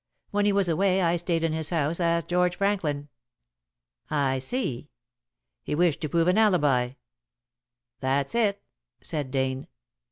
When he was away I stayed in his house as George Franklin." "I see. He wished to prove an alibi." "That's it," said Dane.